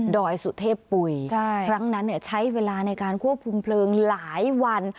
อยสุเทพปุ๋ยครั้งนั้นใช้เวลาในการควบคุมเพลิงหลายวัน